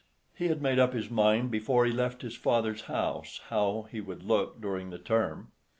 He had made up his mind before he left his father's house how he would look during the term.